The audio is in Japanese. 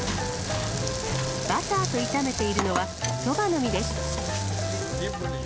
バターと炒めているのは、そばの実です。